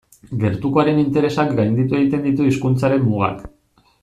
Gertukoaren interesak gainditu egiten ditu hizkuntzaren mugak.